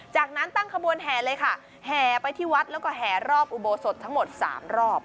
จากนั้นตั้งขบวนแห่เลยค่ะแห่ไปที่วัดแล้วก็แห่รอบอุโบสถทั้งหมด๓รอบ